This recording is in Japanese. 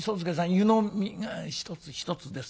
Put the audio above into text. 湯飲みが１つ１つです